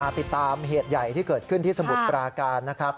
ติดตามเหตุใหญ่ที่เกิดขึ้นที่สมุทรปราการนะครับ